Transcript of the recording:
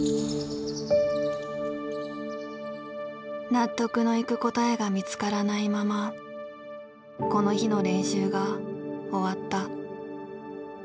納得のいく答えが見つからないままこの日の練習が終わった。